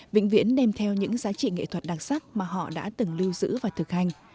vĩnh viễn đem theo những giá trị nghệ thuật đặc sắc mà họ đã từng lưu giữ và thực hành